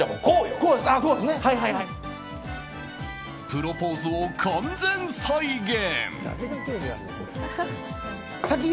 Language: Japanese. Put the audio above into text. プロポーズを完全再現！